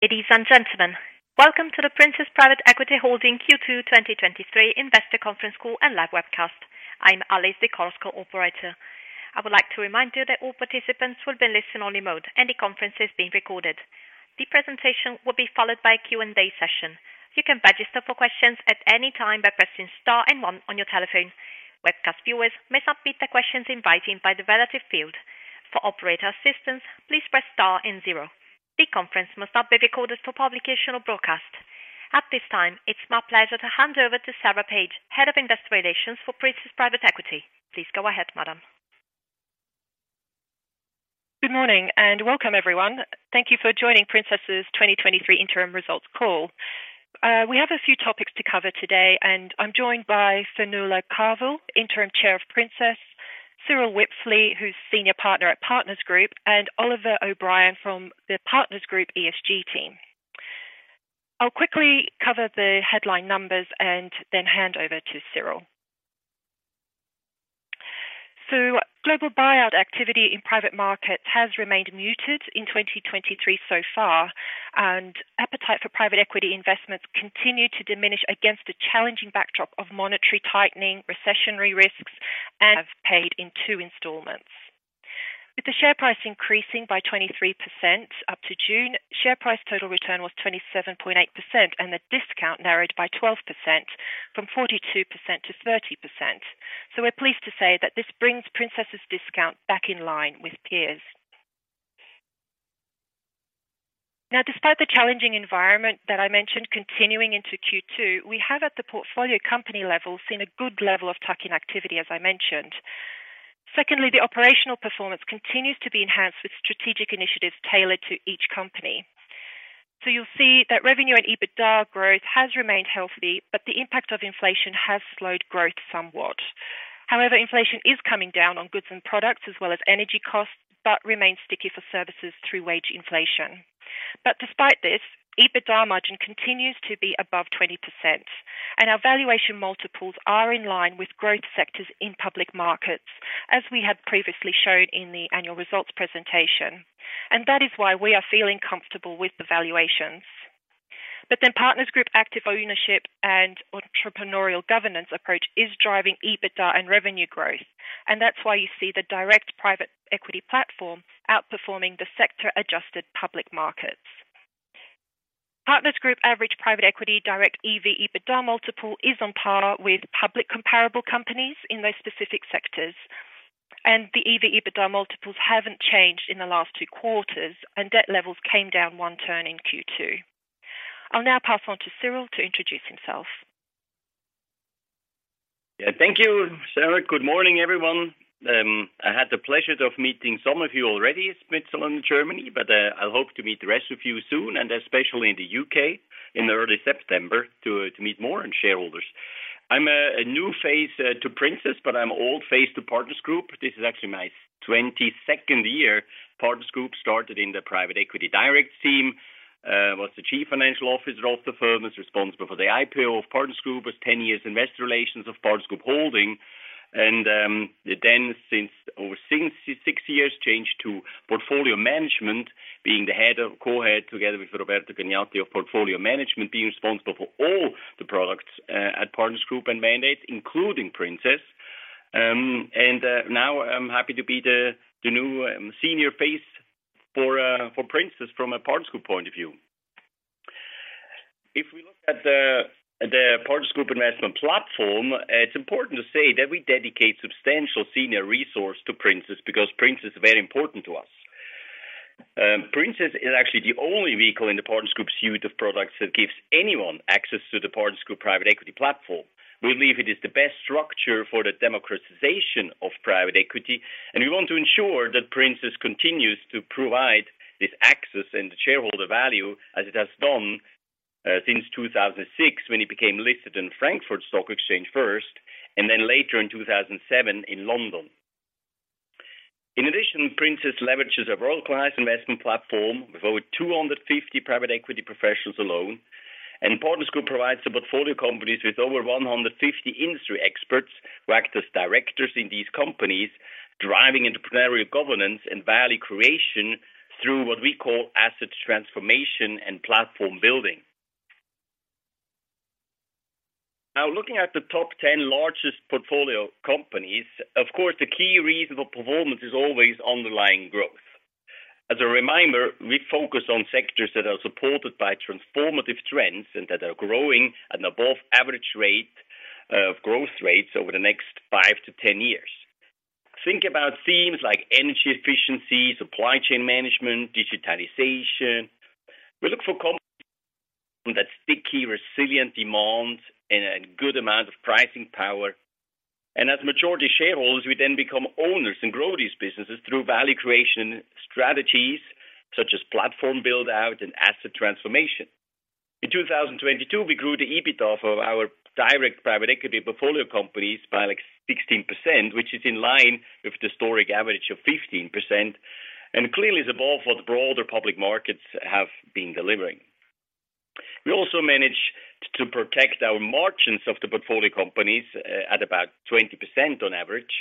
Ladies and gentlemen, welcome to the Princess Private Equity Holding Q2 2023 Investor Conference Call and live webcast. I'm Alice, the call's operator. I would like to remind you that all participants will be in listen-only mode, and the conference is being recorded. The presentation will be followed by a Q&A session. You can register for questions at any time by pressing star and one on your telephone. Webcast viewers may submit their questions in writing by the relevant field. For operator assistance, please press star and zero. The conference must not be recorded for publication or broadcast. At this time, it's my pleasure to hand over to Sarah Page, Head of Investor Relations for Princess Private Equity. Please go ahead, madam. Good morning, and welcome, everyone. Thank you for joining Princess's 2023 interim results call. We have a few topics to cover today, and I'm joined by Fionnuala Carvill, interim chair of Princess; Cyrill Wipfli, who's senior partner at Partners Group, and Oliver O'Brien from the Partners Group ESG team. I'll quickly cover the headline numbers and then hand over to Cyrill. So global buyout activity in private markets has remained muted in 2023 so far, and appetite for private equity investments continued to diminish against a challenging backdrop of monetary tightening. [inaudible] With the share price increasing by 23% up to June, share price total return was 27.8%, and the discount narrowed by 12% from 42% to 30%. So we're pleased to say that this brings Princess's discount back in line with peers. Now, despite the challenging environment that I mentioned continuing into Q2, we have, at the portfolio company level, seen a good level of tuck-in activity, as I mentioned. Secondly, the operational performance continues to be enhanced with strategic initiatives tailored to each company. So you'll see that revenue and EBITDA growth has remained healthy, but the impact of inflation has slowed growth somewhat. However, inflation is coming down on goods and products as well as energy costs, but remains sticky for services through wage inflation. But despite this, EBITDA margin continues to be above 20%, and our valuation multiples are in line with growth sectors in public markets, as we had previously shown in the annual results presentation. And that is why we are feeling comfortable with the valuations. Partners Group's active ownership and entrepreneurial governance approach is driving EBITDA and revenue growth, and that's why you see the direct private equity platform outperforming the sector-adjusted public markets. Partners Group's average private equity direct EV/EBITDA multiple is on par with public comparable companies in those specific sectors, and the EV/EBITDA multiples haven't changed in the last two quarters, and debt levels came down one turn in Q2. I'll now pass on to Cyrill to introduce himself. Yeah. Thank you, Sarah. Good morning, everyone. I had the pleasure of meeting some of you already in Switzerland and Germany, but I hope to meet the rest of you soon, and especially in the UK in early September, to meet more shareholders. I'm a new face to Princess, but I'm an old face to Partners Group. This is actually my 22nd year. I started in the private equity direct team, was the Chief Financial Officer of the firm, was responsible for the IPO of Partners Group, was 10 years Investor Relations of Partners Group Holding. Then over six years changed to portfolio management, being the co-head, together with Roberto Cagnati of portfolio management, being responsible for all the products at Partners Group and mandates, including Princess. Now I'm happy to be the new senior face for Princess from a Partners Group point of view. If we look at the Partners Group investment platform, it's important to say that we dedicate substantial senior resource to Princess because Princess is very important to us. Princess is actually the only vehicle in the Partners Group's suite of products that gives anyone access to the Partners Group private equity platform. We believe it is the best structure for the democratization of private equity, and we want to ensure that Princess continues to provide this access and the shareholder value as it has done since 2006, when it became listed in Frankfurt Stock Exchange first, and then later in 2007 in London. In addition, Princess leverages a world-class investment platform with over 250 private equity professionals alone. And Partners Group provides the portfolio companies with over 150 industry experts who act as directors in these companies, driving entrepreneurial governance and value creation through what we call asset transformation and platform building. Now, looking at the top 10 largest portfolio companies, of course, the key reason for performance is always underlying growth. As a reminder, we focus on sectors that are supported by transformative trends and that are growing at an above-average rate of growth rates over the next 5-10 years. Think about themes like energy efficiency, supply chain management, digitalization. We look for companies that sticky, resilient demands and a good amount of pricing power. And as majority shareholders, we then become owners and grow these businesses through value creation strategies such as platform build-out and asset transformation. In 2022, we grew the EBITDA of our direct private equity portfolio companies by, like, 16%, which is in line with the historic average of 15%, and clearly is above what the broader public markets have been delivering... We also managed to protect our margins of the portfolio companies at about 20% on average.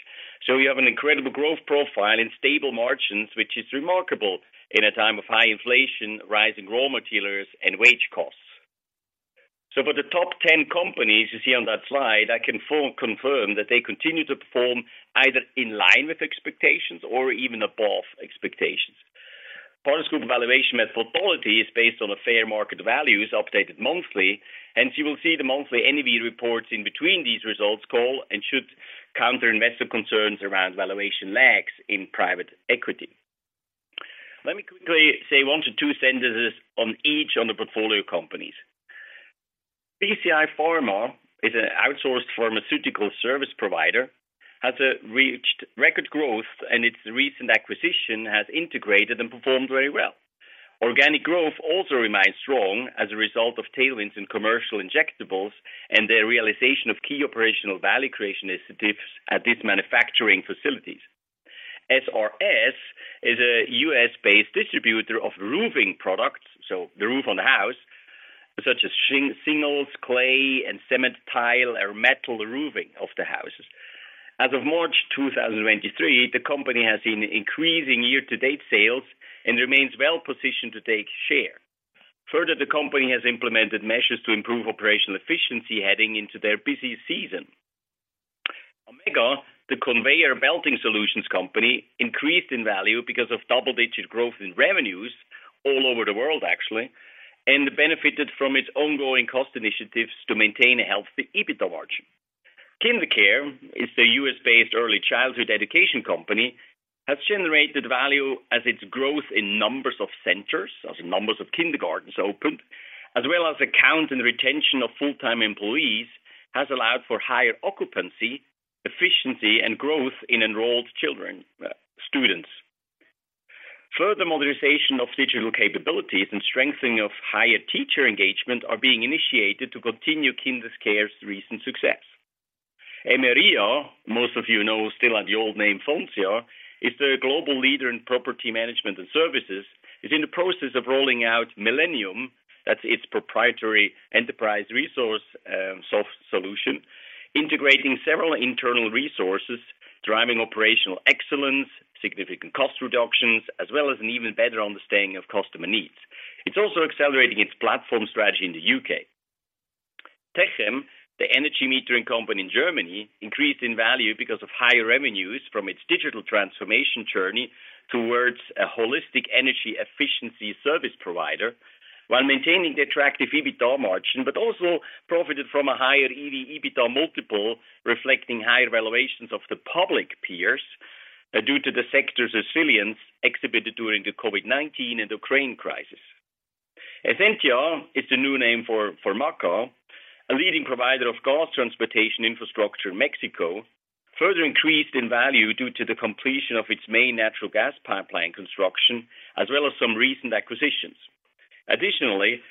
So we have an incredible growth profile and stable margins, which is remarkable in a time of high inflation, rising raw materials, and wage costs. So for the top 10 companies you see on that slide, I can fully confirm that they continue to perform either in line with expectations or even above expectations. Partners Group valuation method quality is based on a fair market value, is updated monthly, and you will see the monthly NAV reports in between these results call and should counter investor concerns around valuation lags in private equity. Let me quickly say 1-2 sentences on each on the portfolio companies. PCI Pharma is an outsourced pharmaceutical service provider, has reached record growth, and its recent acquisition has integrated and performed very well. Organic growth also remains strong as a result of tailwinds in commercial injectables and their realization of key operational value creation initiatives at these manufacturing facilities. SRS is a U.S.-based distributor of roofing products, so the roof on the house, such as shingles, clay, and cement tile, or metal roofing of the houses. As of March 2023, the company has seen increasing year-to-date sales and remains well positioned to take share. Further, the company has implemented measures to improve operational efficiency heading into their busy season. Ammega, the conveyor belting solutions company, increased in value because of double-digit growth in revenues all over the world, actually, and benefited from its ongoing cost initiatives to maintain a healthy EBITDA margin. KinderCare is the U.S.-based early childhood education company, has generated value as its growth in numbers of centers, as in numbers of kindergartens opened, as well as headcount and retention of full-time employees, has allowed for higher occupancy, efficiency, and growth in enrolled children, students. Further modernization of digital capabilities and strengthening of higher teacher engagement are being initiated to continue KinderCare's recent success. Emeria, most of you know, still at the old name, Foncia, is the global leader in property management and services, is in the process of rolling out Millennium. That's its proprietary enterprise resource software solution, integrating several internal resources, driving operational excellence, significant cost reductions, as well as an even better understanding of customer needs. It's also accelerating its platform strategy in the UK. Techem, the energy metering company in Germany, increased in value because of higher revenues from its digital transformation journey towards a holistic energy efficiency service provider, while maintaining the attractive EBITDA margin, but also profited from a higher EV/EBITDA multiple, reflecting higher valuations of the public peers due to the sector's resilience exhibited during the COVID-19 and Ukraine crisis. Esentia is the new name for Fermaca, a leading provider of gas transportation infrastructure in Mexico, further increased in value due to the completion of its main natural gas pipeline construction, as well as some recent acquisitions. Additionally,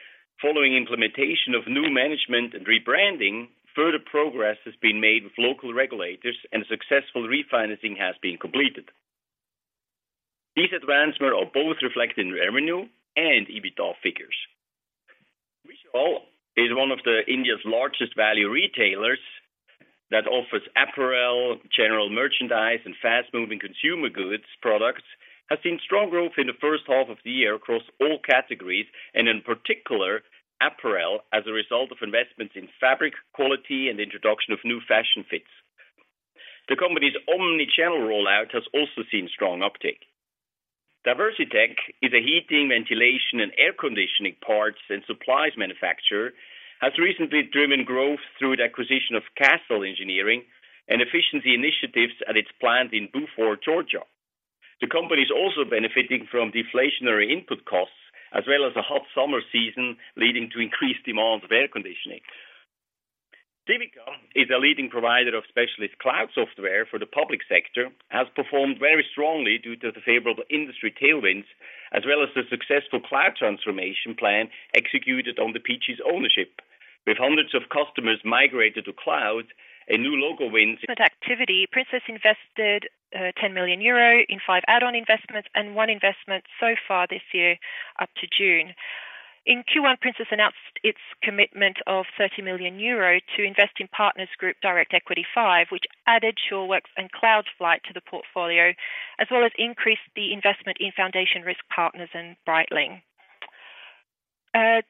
following implementation of new management and rebranding, further progress has been made with local regulators and a successful refinancing has been completed. These advancements are both reflected in revenue and EBITDA figures. Vishal, one of India's largest value retailers that offers apparel, general merchandise, and fast-moving consumer goods products, has seen strong growth in the first half of the year across all categories, and in particular, apparel, as a result of investments in fabric quality and introduction of new fashion fits. The company's omni-channel rollout has also seen strong uptake. DiversiTech, a heating, ventilation, and air conditioning parts and supplies manufacturer, has recently driven growth through the acquisition of Castel Engineering and efficiency initiatives at its plant in Buford, Georgia. The company is also benefiting from deflationary input costs, as well as a hot summer season, leading to increased demand for air conditioning. Civica is a leading provider of specialist cloud software for the public sector, has performed very strongly due to the favorable industry tailwinds, as well as the successful cloud transformation plan executed on the Partners' ownership. With hundreds of customers migrated to cloud and new local Uncertain Princess invested ten million euro in five add-on investments and one investment so far this year, up to June. In Q1, Princess announced its commitment of thirty million euro to invest in Partners Group Direct Equity V, which added SureWerks and Cloudflight to the portfolio, as well as increased the investment in Foundation Risk Partners and Breitling.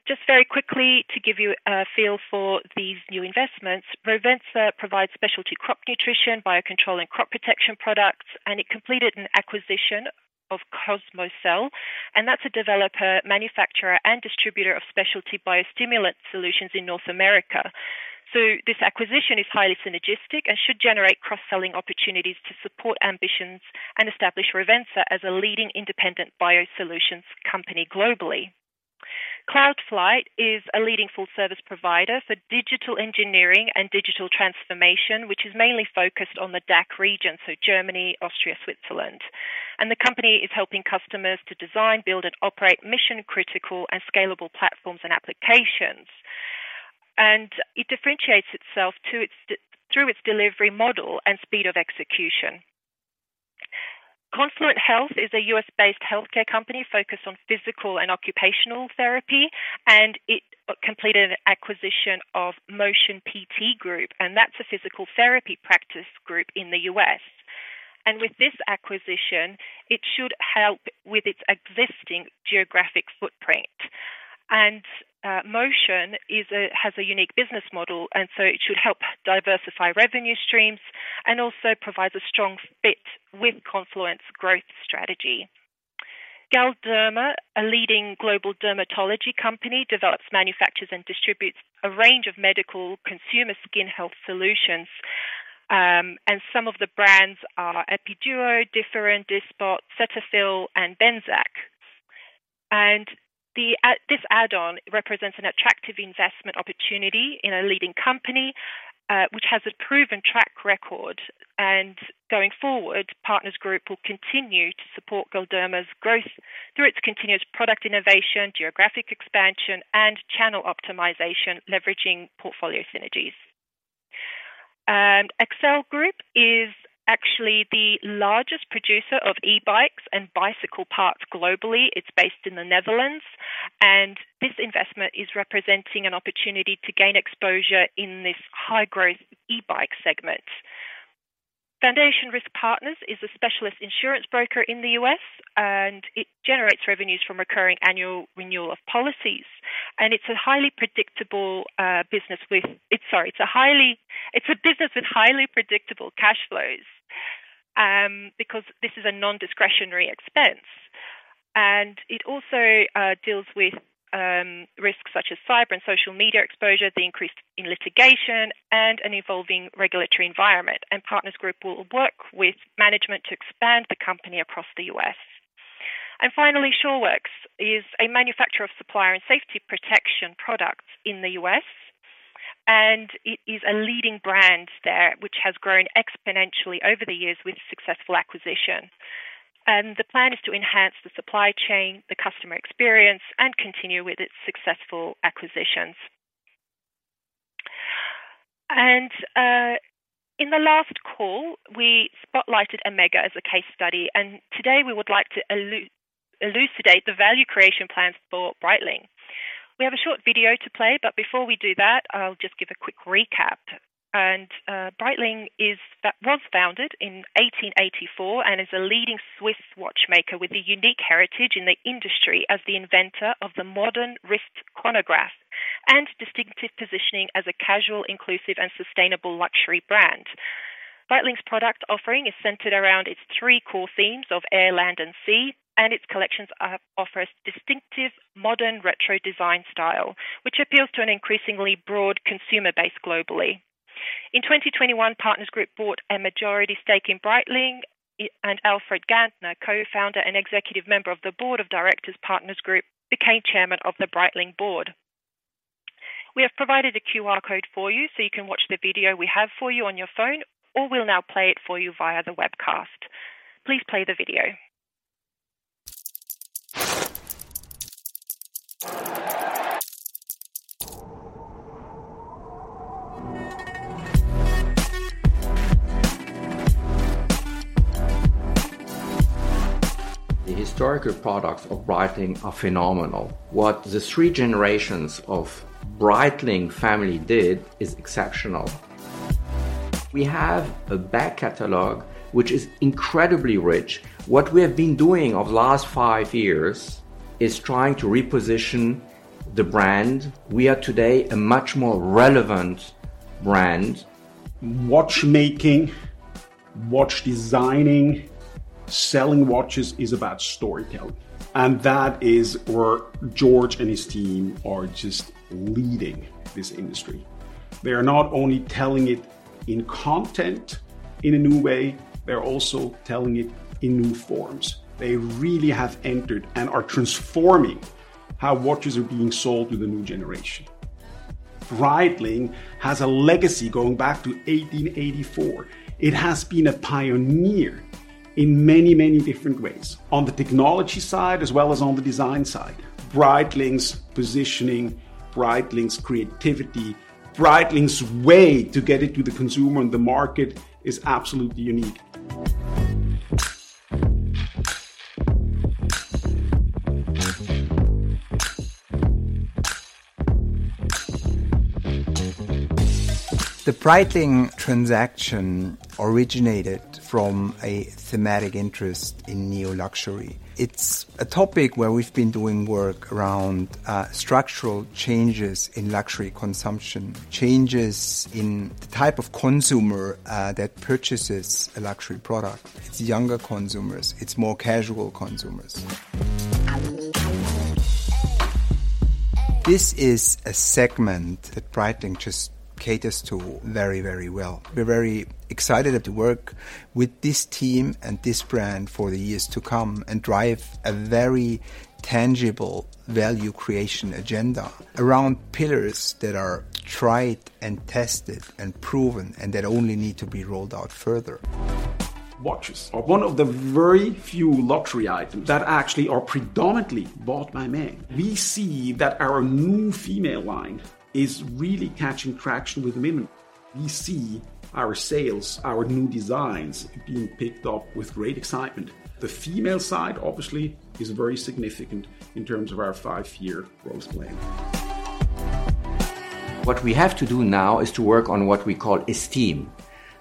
Just very quickly to give you a feel for these new investments. Rovensa provides specialty crop nutrition, biocontrol, and crop protection products, and it completed an acquisition of Cosmocel, and that's a developer, manufacturer, and distributor of specialty biostimulant solutions in North America. So this acquisition is highly synergistic and should generate cross-selling opportunities to support ambitions and establish Rovensa as a leading independent biosolutions company globally. Cloudflight is a leading full service provider for digital engineering and digital transformation, which is mainly focused on the DACH region, so Germany, Austria, Switzerland. The company is helping customers to design, build, and operate mission-critical and scalable platforms and applications. It differentiates itself to its through its delivery model and speed of execution. Confluent Health is a U.S.-based healthcare company focused on physical and occupational therapy, and it completed an acquisition of Motion PT Group, and that's a physical therapy practice group in the U.S. With this acquisition, it should help with its existing geographic footprint. Motion has a unique business model, and so it should help diversify revenue streams and also provides a strong fit with Confluent's growth strategy. Galderma, a leading global dermatology company, develops, manufactures, and distributes a range of medical consumer skin health solutions, and some of the brands are Epiduo, Differin, Dysport, Cetaphil, and Benzac. This add-on represents an attractive investment opportunity in a leading company, which has a proven track record. Going forward, Partners Group will continue to support Galderma's growth through its continuous product innovation, geographic expansion, and channel optimization, leveraging portfolio synergies. Accell Group is actually the largest producer of e-bikes and bicycle parts globally. It's based in the Netherlands, and this investment is representing an opportunity to gain exposure in this high-growth e-bike segment. Foundation Risk Partners is a specialist insurance broker in the U.S., and it generates revenues from recurring annual renewal of policies. It's a highly predictable business with... It's a business with highly predictable cash flows, because this is a non-discretionary expense. It also deals with risks such as cyber and social media exposure, the increase in litigation, and an evolving regulatory environment. Partners Group will work with management to expand the company across the U.S. Finally, SureWerks is a manufacturer and supplier of safety protection products in the U.S., and it is a leading brand there, which has grown exponentially over the years with successful acquisition. The plan is to enhance the supply chain, the customer experience, and continue with its successful acquisitions. In the last call, we spotlighted Ammega as a case study, and today we would like to elucidate the value creation plans for Breitling. We have a short video to play, but before we do that, I'll just give a quick recap. And Breitling was founded in 1884 and is a leading Swiss watchmaker with a unique heritage in the industry as the inventor of the modern wrist chronograph and distinctive positioning as a casual, inclusive, and sustainable luxury brand. Breitling's product offering is centered around its three core themes of air, land, and sea, and its collections offers distinctive, modern, retro design style, which appeals to an increasingly broad consumer base globally. In 2021, Partners Group bought a majority stake in Breitling, and Alfred Gantner, co-founder and executive member of the Board of Directors, Partners Group, became chairman of the Breitling board. We have provided a QR code for you so you can watch the video we have for you on your phone, or we'll now play it for you via the webcast. Please play the video. The historical products of Breitling are phenomenal. What the three generations of Breitling family did is exceptional. We have a back catalog, which is incredibly rich. What we have been doing over the last five years is trying to reposition the brand. We are today a much more relevant brand. Watchmaking, watch designing, selling watches is about storytelling, and that is where Georges and his team are just leading this industry. They are not only telling it in content in a new way, they're also telling it in new forms. They really have entered and are transforming how watches are being sold to the new generation. Breitling has a legacy going back to 1884. It has been a pioneer in many, many different ways. On the technology side, as well as on the design side, Breitling's positioning, Breitling's creativity, Breitling's way to get it to the consumer and the market is absolutely unique. The Breitling transaction originated from a thematic interest in Neo-Luxury. It's a topic where we've been doing work around, structural changes in luxury consumption, changes in the type of consumer, that purchases a luxury product. It's younger consumers, it's more casual consumers. This is a segment that Breitling just caters to very, very well. We're very excited to work with this team and this brand for the years to come and drive a very tangible value creation agenda around pillars that are tried and tested and proven, and that only need to be rolled out further. Watches are one of the very few luxury items that actually are predominantly bought by men. We see that our new female line is really catching traction with women. We see our sales, our new designs being picked up with great excitement. The female side obviously is very significant in terms of our five-year growth plan. What we have to do now is to work on what we call esteem.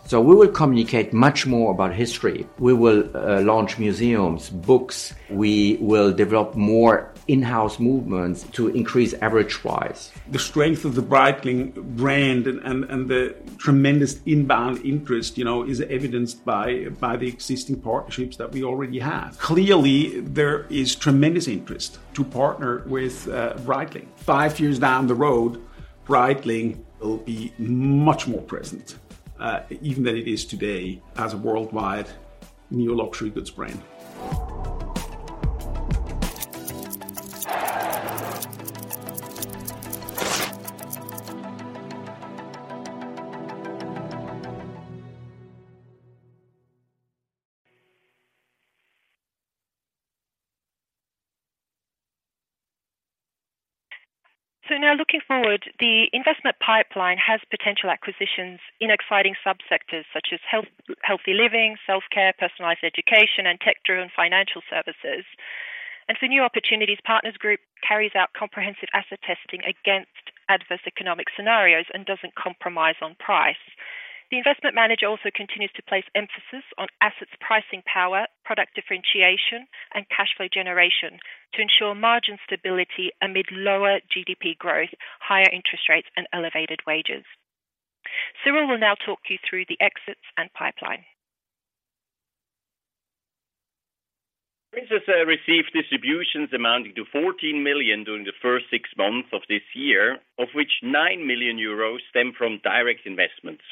So we will communicate much more about history. We will launch museums, books; we will develop more in-house movements to increase average price. The strength of the Breitling brand and the tremendous inbound interest, you know, is evidenced by the existing partnerships that we already have. Clearly, there is tremendous interest to partner with Breitling. Five years down the road, Breitling will be much more present, even than it is today as a worldwide new luxury goods brand. So now, looking forward, the investment pipeline has potential acquisitions in exciting subsectors such as healthy living, self-care, personalized education, and tech-driven financial services. And for new opportunities, Partners Group carries out comprehensive asset testing against adverse economic scenarios and doesn't compromise on price. The investment manager also continues to place emphasis on assets, pricing power, product differentiation, and cash flow generation to ensure margin stability amid lower GDP growth, higher interest rates, and elevated wages. Cyrill will now talk you through the exits and pipeline. Princess, uh, received distributions amounting to 14 million during the first six months of this year, of which 9 million euros stem from direct investments.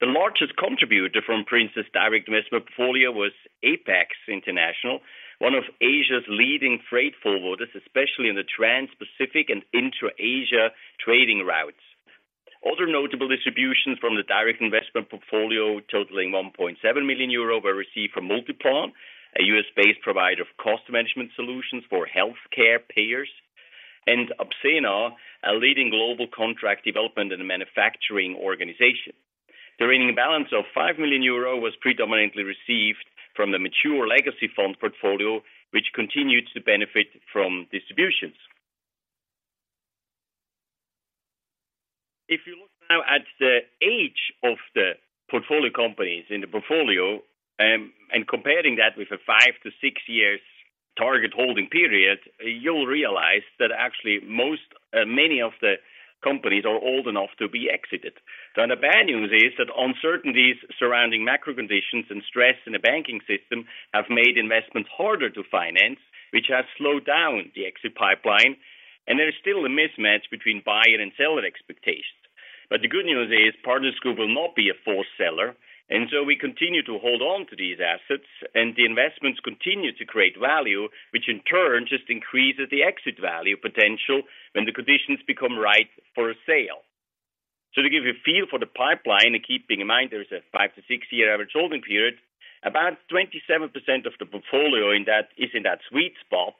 The largest contributor from Princess direct investment portfolio was Apex International, one of Asia's leading freight forwarders, especially in the Trans-Pacific and Intra-Asia trading routes. Other notable distributions from the direct investment portfolio, totaling 1.7 million euro, were received from MultiPlan, a U.S.-based provider of cost management solutions for healthcare payers, and Samsung Biologics, a leading global contract development and manufacturing organization. The remaining balance of 5 million euro was predominantly received from the mature legacy fund portfolio, which continued to benefit from distributions. If you look now at the age of the portfolio companies in the portfolio, and comparing that with a 5-6-year target holding period, you'll realize that actually most, many of the companies are old enough to be exited. Now, the bad news is that uncertainties surrounding macro conditions and stress in the banking system have made investments harder to finance, which has slowed down the exit pipeline, and there is still a mismatch between buyer and seller expectations. But the good news is, Partners Group will not be a forced seller, and so we continue to hold on to these assets, and the investments continue to create value, which in turn just increases the exit value potential when the conditions become right for a sale. So to give you a feel for the pipeline, and keeping in mind there is a 5-6-year average holding period, about 27% of the portfolio in that is in that sweet spot.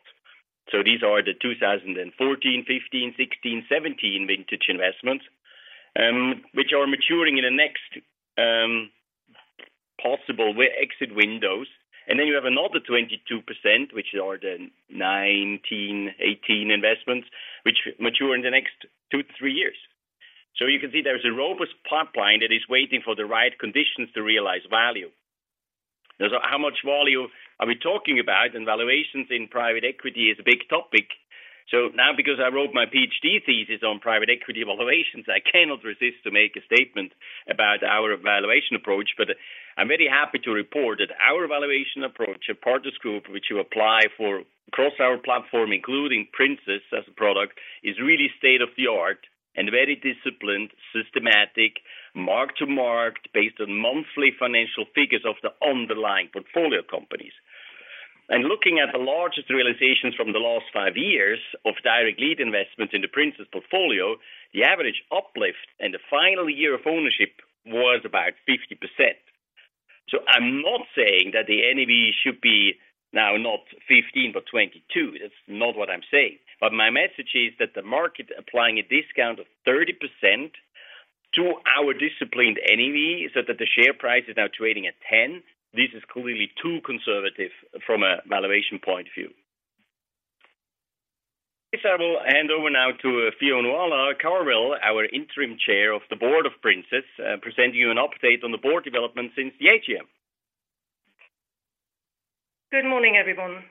So these are the 2014, 2015, 2016, 2017 vintage investments, which are maturing in the next possible exit windows. And then you have another 22%, which are the 2019, 2018 investments, which mature in the next 2-3 years. So you can see there is a robust pipeline that is waiting for the right conditions to realize value. So how much value are we talking about? And valuations in private equity is a big topic. So now, because I wrote my PhD thesis on private equity valuations, I cannot resist to make a statement about our valuation approach, but I'm very happy to report that our valuation approach at Partners Group, which we apply for across our platform, including Princess as a product, is really state-of-the-art and very disciplined, systematic, mark to market, based on monthly financial figures of the underlying portfolio companies. Looking at the largest realizations from the last 5 years of direct lead investments in the Princess portfolio, the average uplift in the final year of ownership was about 50%. So I'm not saying that the NAV should be now not 15, but 22. That's not what I'm saying. But my message is that the market applying a discount of 30% to our disciplined NAV, so that the share price is now trading at 10, this is clearly too conservative from a valuation point of view. With that, I will hand over now to Fionnuala Carvill, our Interim Chair of the board of Princess, presenting you an update on the board development since the AGM. Good morning, everyone.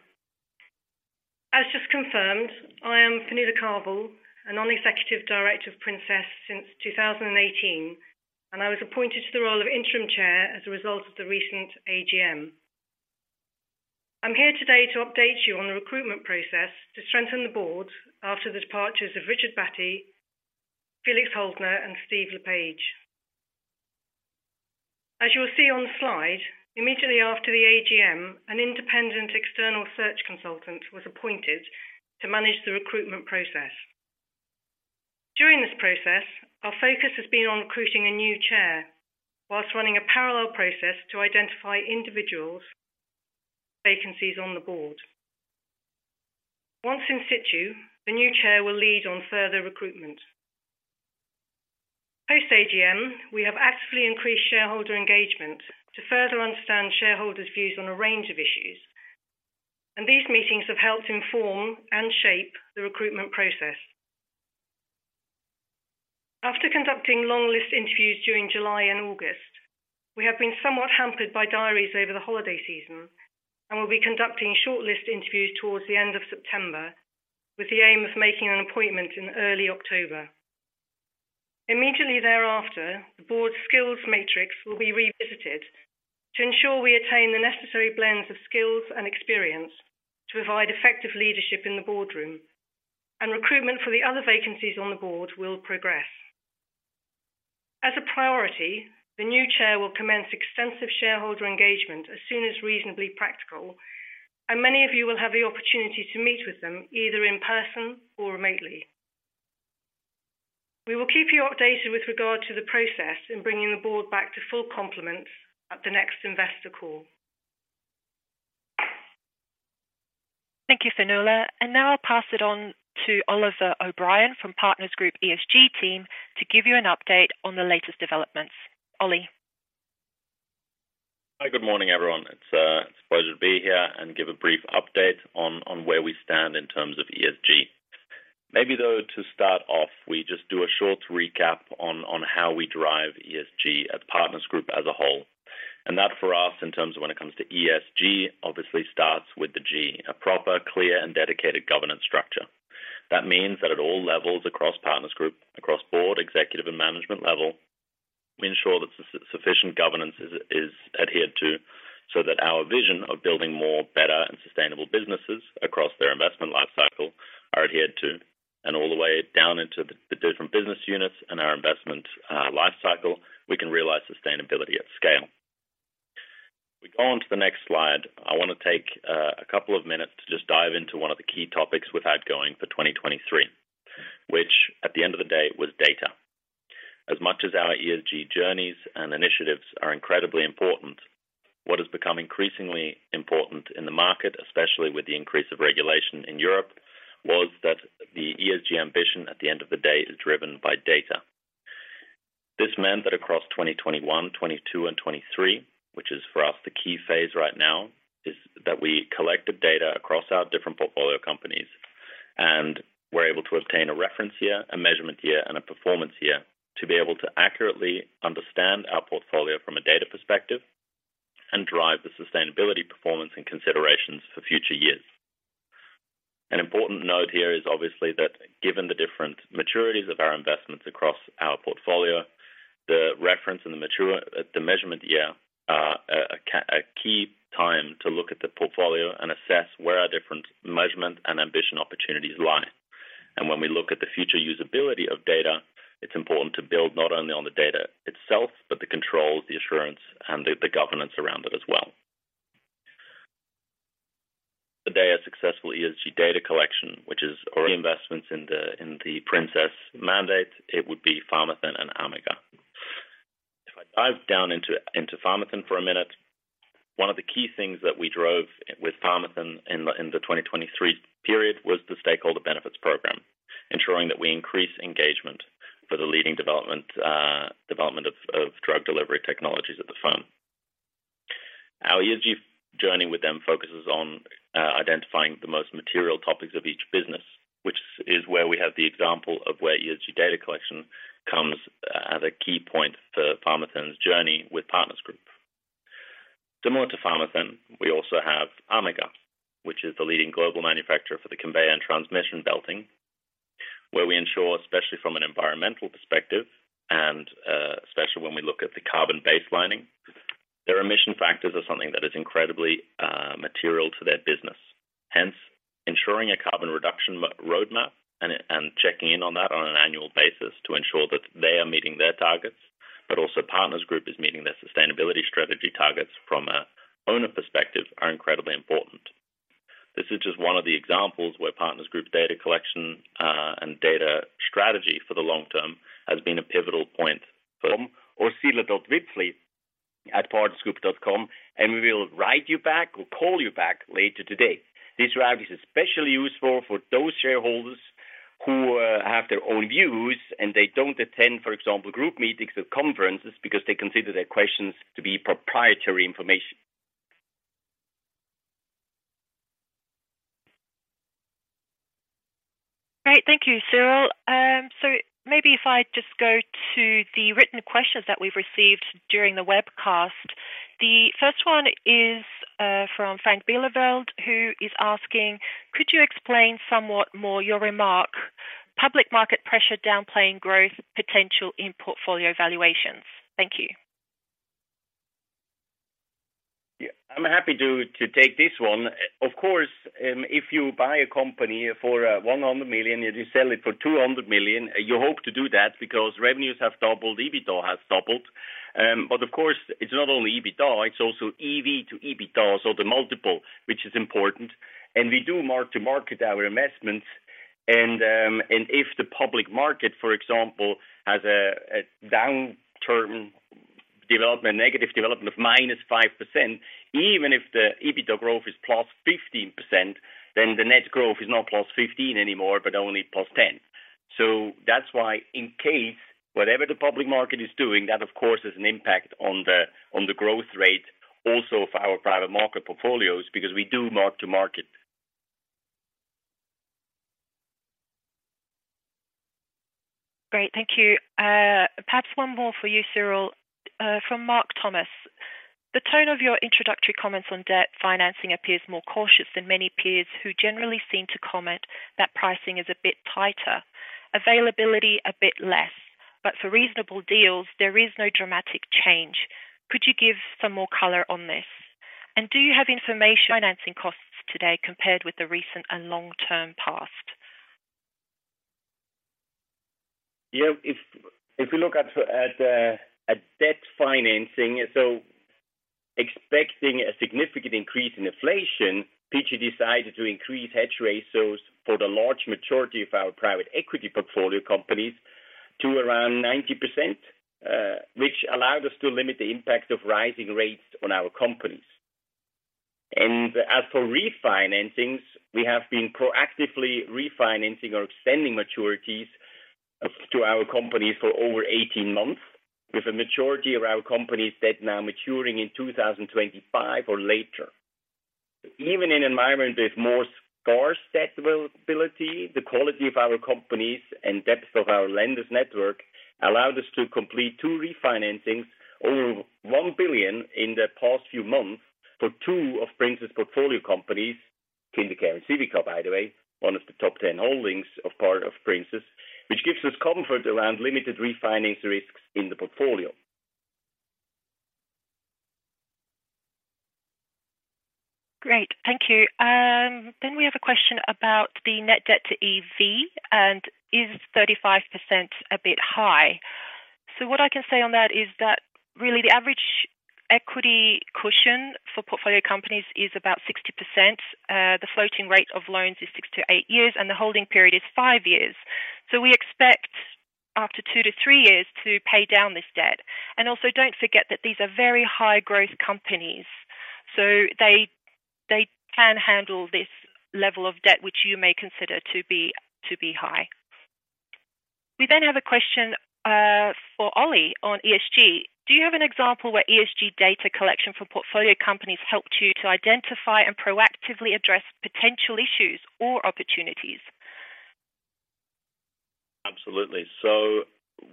As just confirmed, I am Fionnuala Carvill, a non-executive director of Princess since 2018, and I was appointed to the role of interim chair as a result of the recent AGM. I'm here today to update you on the recruitment process to strengthen the board after the departures of Richard Battey, Felix Holzner, and Steve Le Page. As you will see on the slide, immediately after the AGM, an independent external search consultant was appointed to manage the recruitment process. During this process, our focus has been on recruiting a new chair, while running a parallel process to identify individual vacancies on the board.... Once in situ, the new chair will lead on further recruitment. Post AGM, we have actively increased shareholder engagement to further understand shareholders' views on a range of issues, and these meetings have helped inform and shape the recruitment process. After conducting long list interviews during July and August, we have been somewhat hampered by diaries over the holiday season and will be conducting shortlist interviews towards the end of September, with the aim of making an appointment in early October. Immediately thereafter, the board's skills matrix will be revisited to ensure we attain the necessary blends of skills and experience to provide effective leadership in the boardroom, and recruitment for the other vacancies on the board will progress. As a priority, the new chair will commence extensive shareholder engagement as soon as reasonably practical, and many of you will have the opportunity to meet with them, either in person or remotely. We will keep you updated with regard to the process in bringing the board back to full complement at the next investor call. Thank you, Fionnuala. Now I'll pass it on to Oliver O'Brien from Partners Group ESG team to give you an update on the latest developments. Ollie? Hi, good morning, everyone. It's a pleasure to be here and give a brief update on where we stand in terms of ESG. Maybe, though, to start off, we just do a short recap on how we drive ESG as Partners Group as a whole, and that for us, in terms of when it comes to ESG, obviously starts with the G, a proper, clear and dedicated governance structure. That means that at all levels across Partners Group, across board, executive and management level, we ensure that sufficient governance is adhered to, so that our vision of building more, better and sustainable businesses across their investment lifecycle are adhered to, and all the way down into the different business units and our investment lifecycle, we can realize sustainability at scale. We go on to the next slide. I want to take a couple of minutes to just dive into one of the key topics we've had going for 2023, which at the end of the day, was data. As much as our ESG journeys and initiatives are incredibly important, what has become increasingly important in the market, especially with the increase of regulation in Europe, was that the ESG ambition at the end of the day, is driven by data. This meant that across 2021, 2022 and 2023, which is for us the key phase right now, is that we collected data across our different portfolio companies, and we're able to obtain a reference year, a measurement year, and a performance year to be able to accurately understand our portfolio from a data perspective and drive the sustainability, performance and considerations for future years. An important note here is obviously that given the different maturities of our investments across our portfolio, the reference and the measurement year are a key time to look at the portfolio and assess where our different measurement and ambition opportunities lie. And when we look at the future usability of data, it's important to build not only on the data itself, but the controls, the assurance and the governance around it as well. Today, a successful ESG data collection, which is our investments in the Princess mandate, it would be Pharmathen and Ammega. If I dive down into Pharmathen for a minute, one of the key things that we drove with Pharmathen in the 2023 period was the stakeholder benefits program, ensuring that we increase engagement for the leading development of drug delivery technologies at the firm. Our ESG journey with them focuses on identifying the most material topics of each business, which is where we have the example of where ESG data collection comes as a key point for Pharmathen's journey with Partners Group. Similar to Pharmathen, we also have Ammega, which is the leading global manufacturer for the conveyor and transmission belting, where we ensure, especially from an environmental perspective and especially when we look at the carbon baselining, their emission factors are something that is incredibly material to their business. Hence, ensuring a carbon reduction roadmap and checking in on that on an annual basis to ensure that they are meeting their targets, but also Partners Group is meeting their sustainability strategy targets from an owner perspective, are incredibly important. This is just one of the examples where Partners Group data collection and data strategy for the long term has been a pivotal point for- Uncertain, and we will write you back or call you back later today. This route is especially useful for those shareholders who have their own views, and they don't attend, for example, group meetings or conferences because they consider their questions to be proprietary information. Great. Thank you, Cyrill. So maybe if I just go to the written questions that we've received during the webcast. The first one is, from Frank Bielefeld, who is asking: Could you explain somewhat more your remark, "Public market pressure downplaying growth, potential in portfolio valuations?" Thank you. Yeah, I'm happy to take this one. Of course, if you buy a company for 100 million, and you sell it for 200 million, you hope to do that because revenues have doubled, EBITDA has doubled. But of course, it's not only EBITDA, it's also EV to EBITDA, so the multiple, which is important. And we do mark-to-market our investments, and if the public market, for example, has a negative development of -5%, even if the EBITDA growth is +15%, then the net growth is not +15 anymore, but only +10. So that's why in case, whatever the public market is doing, that of course, has an impact on the growth rate also for our private market portfolios, because we do mark to market. Great, thank you. Perhaps one more for you, Cyrill, from Mark Thomas. The tone of your introductory comments on debt financing appears more cautious than many peers who generally seem to comment that pricing is a bit tighter, availability a bit less, but for reasonable deals, there is no dramatic change. Could you give some more color on this? And do you have information financing costs today compared with the recent and long-term past? Yeah, if you look at debt financing, so expecting a significant increase in inflation, PG decided to increase hedge ratios for the large majority of our private equity portfolio companies to around 90%, which allowed us to limit the impact of rising rates on our companies. And as for refinancings, we have been proactively refinancing or extending maturities of to our companies for over 18 months, with a majority of our companies' debt now maturing in 2025 or later. Even in an environment with more sparse debt availability, the quality of our companies and depth of our lenders network allowed us to complete two refinancings over 1 billion in the past few months for two of Princess portfolio companies, KinderCare and Civica, by the way, one of the top 10 holdings of part of Princess, which gives us comfort around limited refinance risks in the portfolio. Great, thank you. Then we have a question about the net debt to EV, and is 35% a bit high? So what I can say on that is that really the average equity cushion for portfolio companies is about 60%. The floating rate of loans is 6-8 years, and the holding period is 5 years. So we expect after 2-3 years to pay down this debt. And also don't forget that these are very high growth companies, so they, they can handle this level of debt, which you may consider to be, to be high. We then have a question for Ollie on ESG. Do you have an example where ESG data collection for portfolio companies helped you to identify and proactively address potential issues or opportunities? Absolutely. So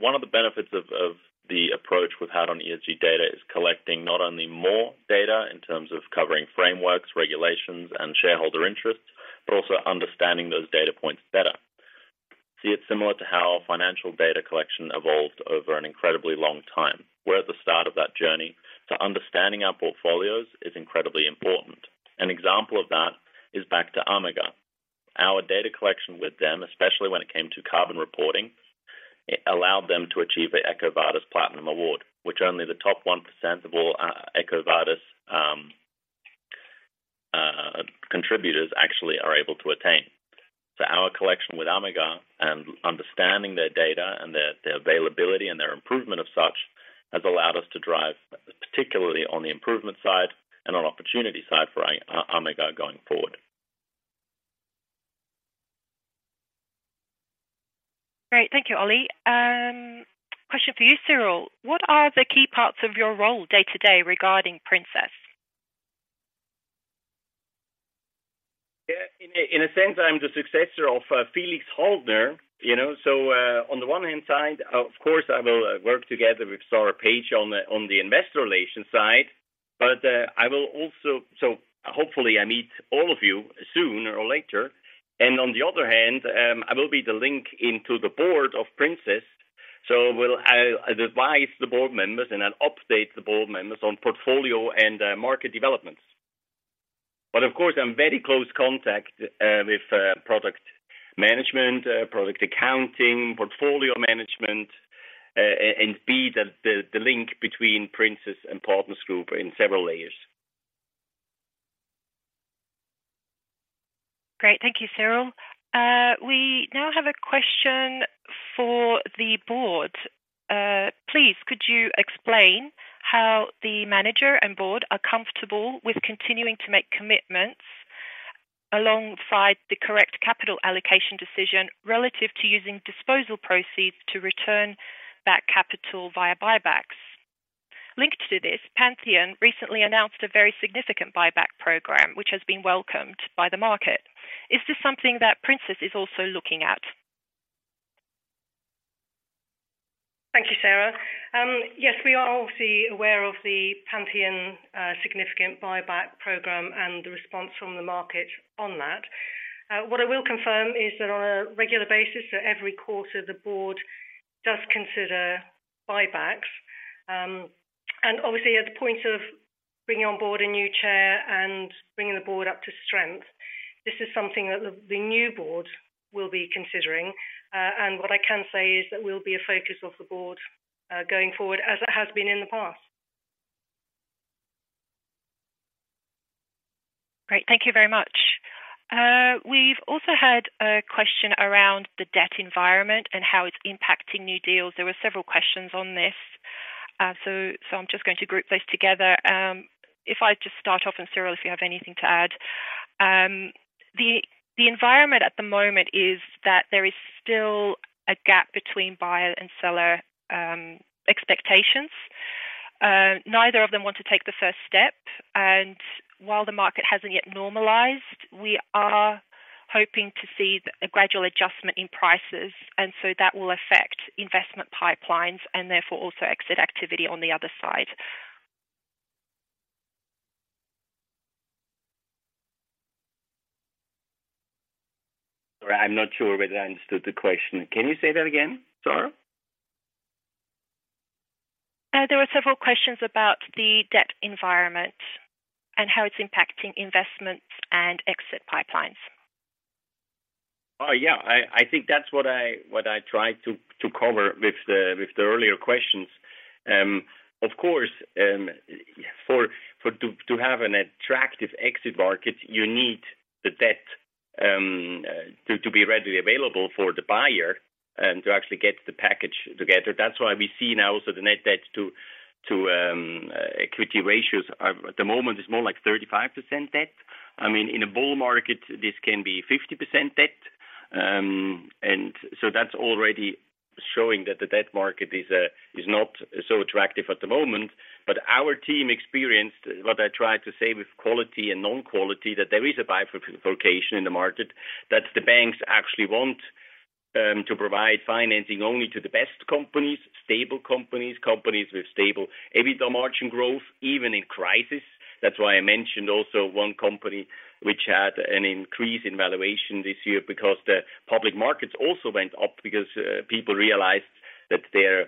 one of the benefits of, of the approach we've had on ESG data is collecting not only more data in terms of covering frameworks, regulations, and shareholder interests, but also understanding those data points better. See, it's similar to how financial data collection evolved over an incredibly long time. We're at the start of that journey, so understanding our portfolios is incredibly important. An example of that is back to Ammega. Our data collection with them, especially when it came to carbon reporting, it allowed them to achieve the EcoVadis Platinum Award, which only the top 1% of all EcoVadis contributors actually are able to attain. So our collection with Ammega and understanding their data and their, their availability and their improvement of such, has allowed us to drive, particularly on the improvement side and on opportunity side for Ammega going forward. Great. Thank you, Ollie. Question for you, Cyrill: What are the key parts of your role day-to-day regarding Princess? Yeah, in a sense, I'm the successor of Felix Holzner, you know, so on the one hand side, of course, I will work together with Sarah Page on the investor relations side, but I will also—so hopefully I meet all of you sooner or later. And on the other hand, I will be the link into the board of Princess. So I'll advise the board members, and I'll update the board members on portfolio and market developments. But of course, I'm very close contact with product management, product accounting, portfolio management, and be the link between Princess and Partners Group in several layers. Great. Thank you, Cyrill. We now have a question for the board. Please, could you explain how the manager and board are comfortable with continuing to make commitments alongside the correct capital allocation decision relative to using disposal proceeds to return that capital via buybacks? Linked to this, Pantheon recently announced a very significant buyback program, which has been welcomed by the market. Is this something that Princess is also looking at? Thank you, Sarah. Yes, we are obviously aware of the Pantheon significant buyback program and the response from the market on that. What I will confirm is that on a regular basis, so every quarter, the board does consider buybacks. And obviously, at the point of bringing on board a new chair and bringing the board up to strength, this is something that the, the new board will be considering. And what I can say is that will be a focus of the board, going forward, as it has been in the past.... Great. Thank you very much. We've also had a question around the debt environment and how it's impacting new deals. There were several questions on this. So, I'm just going to group those together. If I just start off and, Cyrill, if you have anything to add. The environment at the moment is that there is still a gap between buyer and seller expectations. Neither of them want to take the first step, and while the market hasn't yet normalized, we are hoping to see a gradual adjustment in prices, and so that will affect investment pipelines and therefore also exit activity on the other side. Sorry, I'm not sure whether I understood the question. Can you say that again, Sarah? There were several questions about the debt environment and how it's impacting investments and exit pipelines. Oh, yeah. I think that's what I tried to cover with the earlier questions. Of course, to have an attractive exit market, you need the debt to be readily available for the buyer, and to actually get the package together. That's why we see now also the net debt to equity ratios are—at the moment, it's more like 35% debt. I mean, in a bull market, this can be 50% debt. And so that's already showing that the debt market is not so attractive at the moment, but our team experienced what I tried to say with quality and non-quality, that there is a bifurcation in the market, that the banks actually want to provide financing only to the best companies, stable companies, companies with stable EBITDA margin growth, even in crisis. That's why I mentioned also one company which had an increase in valuation this year because the public markets also went up because people realized that their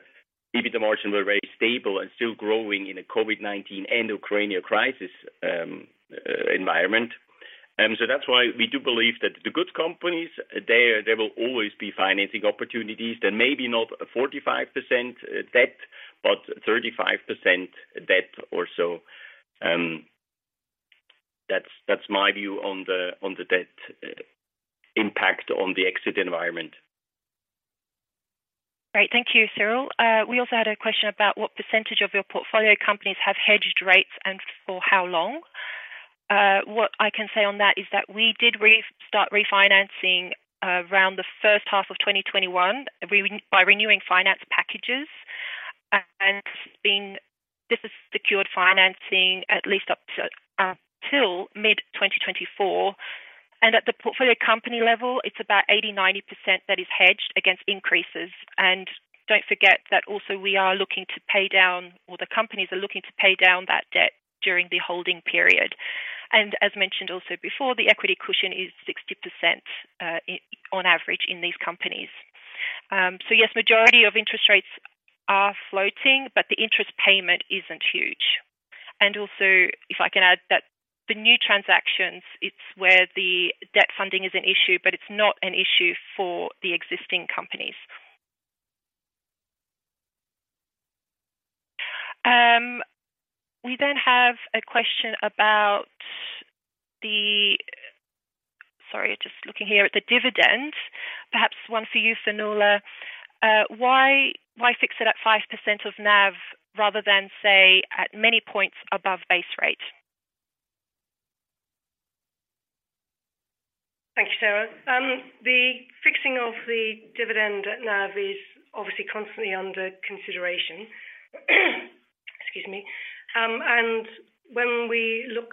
EBITDA margin were very stable and still growing in a COVID-19 and Ukraine crisis environment. And so that's why we do believe that the good companies, there will always be financing opportunities, then maybe not 45% debt, but 35% debt or so. That's my view on the debt impact on the exit environment. Great. Thank you, Cyrill. We also had a question about what percentage of your portfolio companies have hedged rates and for how long? What I can say on that is that we did start refinancing around the first half of 2021 by renewing finance packages, and this has secured financing at least up to till mid-2024. And at the portfolio company level, it's about 80-90% that is hedged against increases. And don't forget that also we are looking to pay down, or the companies are looking to pay down that debt during the holding period. And as mentioned also before, the equity cushion is 60%, on average in these companies. So yes, majority of interest rates are floating, but the interest payment isn't huge. And also, if I can add that the new transactions, it's where the debt funding is an issue, but it's not an issue for the existing companies. We then have a question about the... Sorry, just looking here at the dividend. Perhaps one for you, Fionnuala. Why, why fix it at 5% of NAV, rather than, say, at many points above base rate? Thank you, Sarah. The fixing of the dividend at NAV is obviously constantly under consideration. Excuse me. And when we look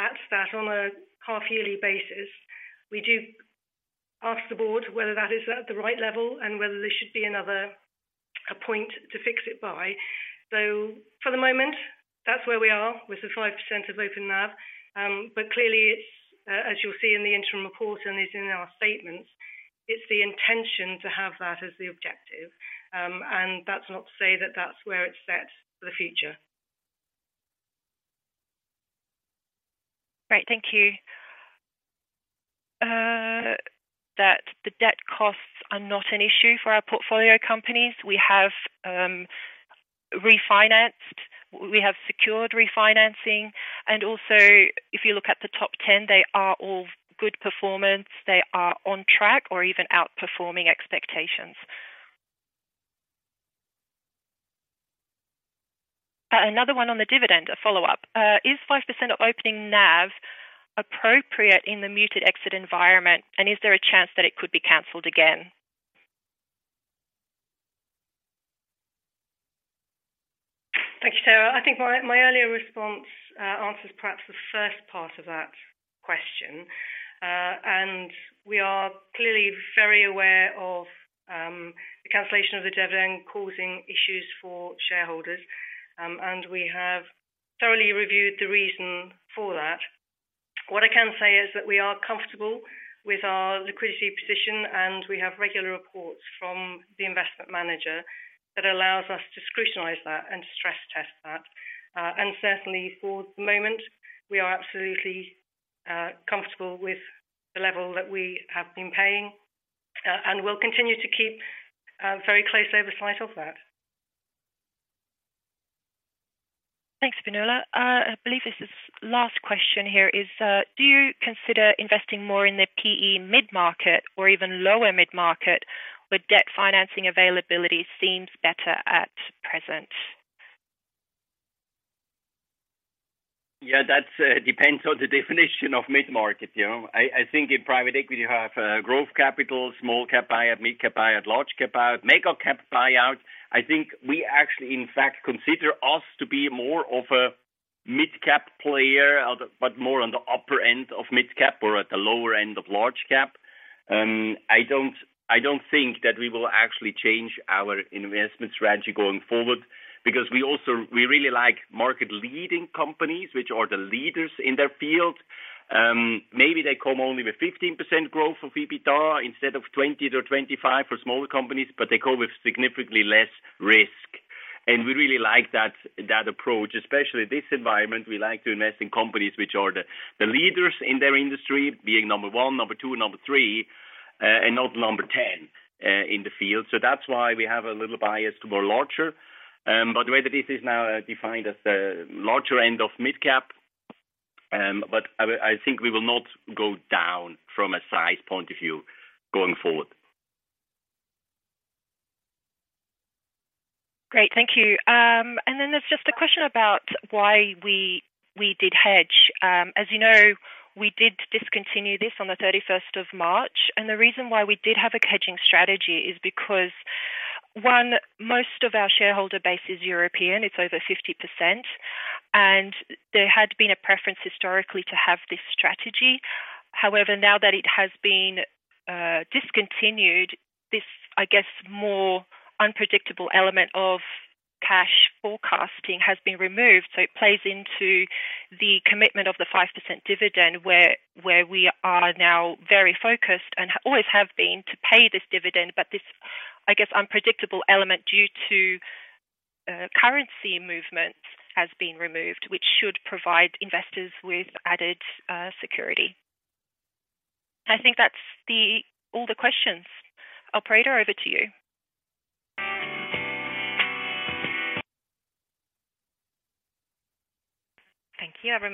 at that on a half-yearly basis, we do ask the board whether that is at the right level and whether there should be another, a point to fix it by. So for the moment, that's where we are with the 5% of NAV. But clearly, it's, as you'll see in the interim report and is in our statements, it's the intention to have that as the objective. And that's not to say that that's where it's set for the future. Great, thank you. That the debt costs are not an issue for our portfolio companies. We have refinanced, we have secured refinancing, and also, if you look at the top ten, they are all good performance. They are on track or even outperforming expectations. Another one on the dividend, a follow-up. Is 5% of opening NAV appropriate in the muted exit environment, and is there a chance that it could be canceled again? Thank you, Sarah. I think my earlier response answers perhaps the first part of that question. We are clearly very aware of the cancellation of the dividend causing issues for shareholders, and we have thoroughly reviewed the reason for that. What I can say is that we are comfortable with our liquidity position, and we have regular reports from the investment manager that allows us to scrutinize that and stress test that. Certainly for the moment, we are absolutely comfortable with the level that we have been paying, and we'll continue to keep very close oversight of that.... Thanks, Fionnuala. I believe this is last question here is, do you consider investing more in the PE mid-market or even lower mid-market, where debt financing availability seems better at present? Yeah, that depends on the definition of mid-market. You know, I think in private equity, you have growth capital, small cap buyout, mid cap buyout, large cap buyout, mega cap buyout. I think we actually, in fact, consider us to be more of a midcap player, but more on the upper end of midcap or at the lower end of large cap. I don't think that we will actually change our investment strategy going forward, because we also, we really like market-leading companies, which are the leaders in their field. Maybe they come only with 15% growth of EBITDA instead of 20-25% for smaller companies, but they come with significantly less risk. We really like that approach, especially this environment. We like to invest in companies which are the leaders in their industry, being number 1, number 2, number 3, and not number 10 in the field. That's why we have a little bias toward larger. But the way that this is now defined as the larger end of midcap, but I think we will not go down from a size point of view going forward. Great. Thank you. And then there's just a question about why we did hedge. As you know, we did discontinue this on the thirty-first of March, and the reason why we did have a hedging strategy is because, one, most of our shareholder base is European, it's over 50%, and there had been a preference historically to have this strategy. However, now that it has been discontinued, this, I guess, more unpredictable element of cash forecasting has been removed, so it plays into the commitment of the 5% dividend, where we are now very focused and always have been to pay this dividend. But this, I guess, unpredictable element due to currency movement has been removed, which should provide investors with added security. I think that's-- all the questions. Operator, over to you. Thank you, everyone.